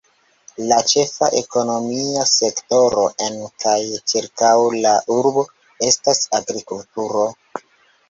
La ĉefa ekonomia sektoro en kaj ĉirkaŭ la urbo estas agrikulturo.